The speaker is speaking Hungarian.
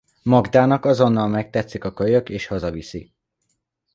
Magdának azonnal megtetszik a kölyök és hazaviszi.